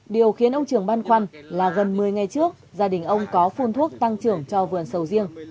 điều khiến ông trường băn khoăn là gần một mươi ngày trước gia đình ông có phun thuốc tăng trưởng cho vườn sầu riêng